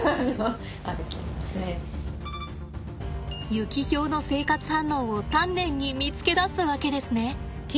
ユキヒョウの生活反応を丹念に見つけ出すわけですね。